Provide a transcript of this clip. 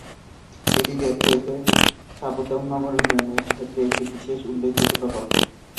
এটি ডেট্রয়েটের স্থাপত্য এবং নগর উন্নয়নের ক্ষেত্রে একটি বিশেষ উল্লেখযোগ্য প্রকল্প।